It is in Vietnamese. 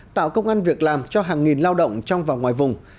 tạo công an việc làm cho hàng nghìn lao động trong và ngoài vùng